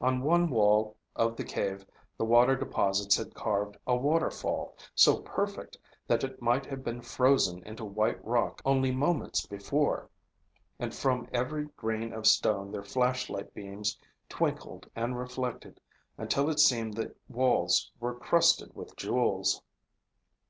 On one wall of the cave the water deposits had carved a waterfall, so perfect that it might have been frozen into white rock only moments before. And from every grain of stone their flashlight beams twinkled and reflected until it seemed the walls were crusted with jewels.